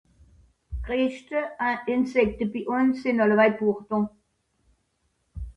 bourdon